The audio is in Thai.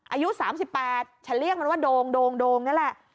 อายุ๓๘ฉันเรียกมันว่าโดงโดงนี่แหละ